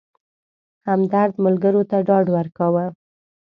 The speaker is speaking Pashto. همدرد ملګرو ته ډاډ ورکاوه.